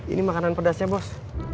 ini makanan pedasnya bos